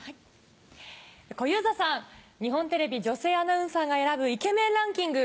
小遊三さん日本テレビ女性アナウンサーが選ぶイケメンランキング